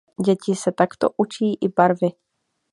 Děti se takto učí i barvy.